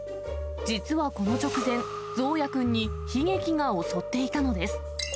実はこの直前、ゾーヤ君に悲劇が襲っていたのです。